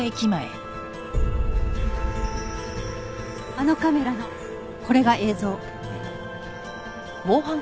あのカメラのこれが映像。